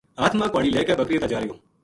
ہتھ ما کہاڑی لے کے بکریاں تا جارہیو